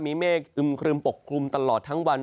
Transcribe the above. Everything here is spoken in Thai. มีเมฆอึมครึมปกคลุมตลอดทั้งวัน